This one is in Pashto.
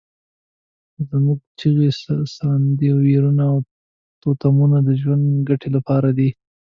زموږ چیغې، ساندې، ویرونه او تورتمونه د ژوند د ګټې لپاره دي.